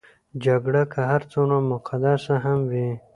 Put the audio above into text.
جګړه که هر څومره مقدسه هم وي.